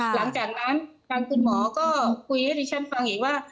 หลังจากนั้นทางคุณหมอก็คุยให้ดิฉันฟังอีกว่า